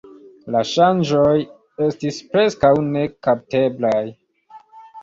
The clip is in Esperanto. La ŝanĝoj estis preskaŭ nekapteblaj.